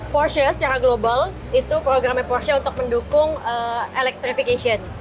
forcil secara global itu programnya forcil untuk mendukung electrification